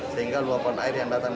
sehingga luapan air yang datang